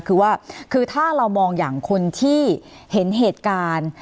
คือว่าคือถ้าเรามองอย่างคนที่เห็นเหตุการณ์